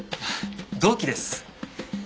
同期です。